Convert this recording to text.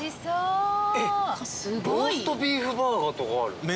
えっローストビーフバーガーとかある。